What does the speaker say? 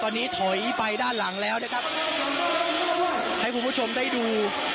ตอนนี้ถอยไปด้านหลังแล้วนะครับให้คุณผู้ชมได้ดู